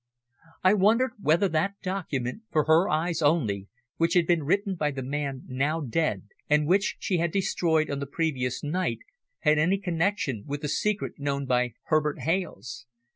I wondered whether that document, for her eyes only, which had been written by the man now dead, and which she had destroyed on the previous night, had any connexion with the secret known by Herbert Hales.